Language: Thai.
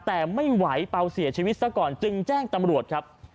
แต่ไม่ไหวเปล่าเสียชีวิตซะก่อนจึงแจ้งตำรวจครับ